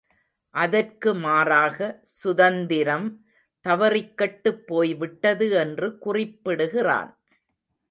அதற்கு மாறாக, சுதந்திரம் தவறிக் கெட்டுப் போய்விட்டது என்று குறிப்பிடுகிறான்.